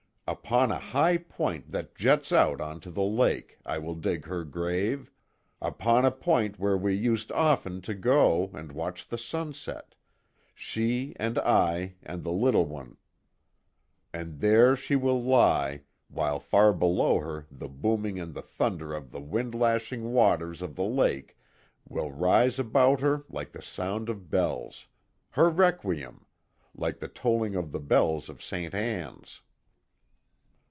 Upon a high point that juts out onto the lake, I will dig her grave upon a point where we used often to go and watch the sunset, she and I and the little one. And there she will lie, while far below her the booming and the thunder of the wind lashed waters of the lake will rise about her like the sound of bells her requiem like the tolling of the bells of Ste. Anne's."